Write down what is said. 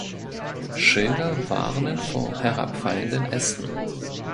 Schilder warnen vor herabfallenden Ästen.